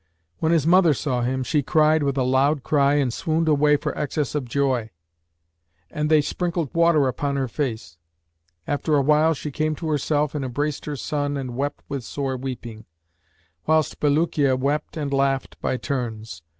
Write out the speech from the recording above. When his mother saw him, she cried with a loud cry and swooned away for excess of joy, and they sprinkled water upon her face. After awhile she came to herself and embraced her son and wept with sore weeping, whilst Bulukiya wept and laughed by turns.